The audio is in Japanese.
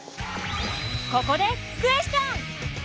ここでクエスチョン！